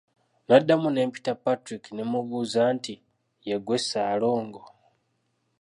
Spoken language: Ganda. Nnaddamu ne mpita Patrick ne mmubuuza nti, "ye ggwe Ssaalongo?"